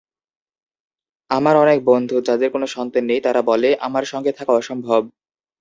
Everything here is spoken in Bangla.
আমার অনেক বন্ধু, যাদের কোনো সন্তান নেই তারা বলে, আমার সঙ্গে থাকা অসম্ভব।